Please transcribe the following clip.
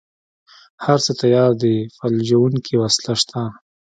هره څه تيار دي فلجوونکې وسله شته.